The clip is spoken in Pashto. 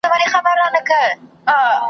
چي له جګو جګو غرونو له پېچومو کنډوونو ,